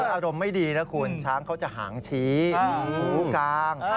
อารมณ์ไม่ดีนะคุณช้างเขาจะหางชี้หูกลาง